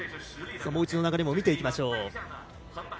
もう一度見ていきましょう。